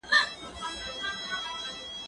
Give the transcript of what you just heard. کېدای شي اوبه سړې وي!؟